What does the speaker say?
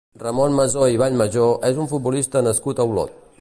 Ramon Masó i Vallmajó és un futbolista nascut a Olot.